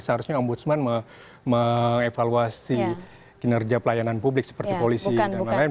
seharusnya ombudsman mengevaluasi kinerja pelayanan publik seperti polisi dan lain lain